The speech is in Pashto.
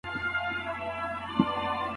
خلک د علم نشتوالی درک کړی و.